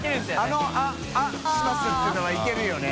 あの「あっあっします」っていΔ里いけるよね。